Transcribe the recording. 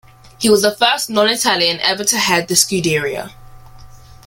He was the first non-Italian ever to head the Scuderia.